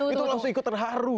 itu langsung ikut terharu